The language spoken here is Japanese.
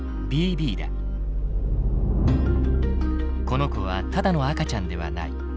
この子はただの赤ちゃんではない。